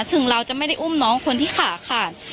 ถึงเราจะไม่ได้อุ้มน้องคนที่ขาขาด